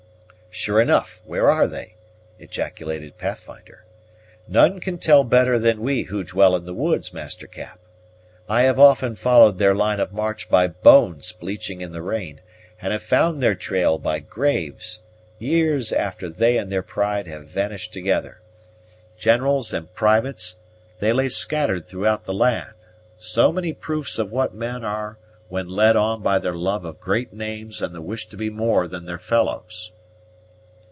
"Sure enough, where are they?" ejaculated Pathfinder. "None can tell better than we who dwell in the woods, Master Cap. I have often followed their line of march by bones bleaching in the rain, and have found their trail by graves, years after they and their pride had vanished together. Generals and privates, they lay scattered throughout the land, so many proofs of what men are when led on by their love of great names and the wish to be more than their fellows."